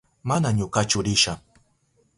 Mana ñukachu risha.